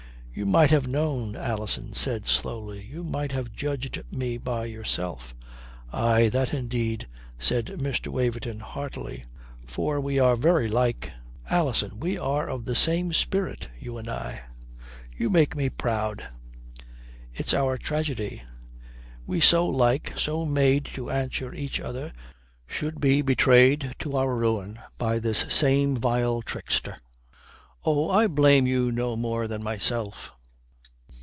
"You might have known," Alison said slowly. "You might have judged me by yourself." "Aye, that indeed," says Mr. Waverton heartily. "For we are very like, Alison, we are of the same spirit, you and I." "You make me proud." "It's our tragedy: we so like, so made to answer each other, should be betrayed to our ruin by this same vile trickster. Oh, I blame you no more than myself."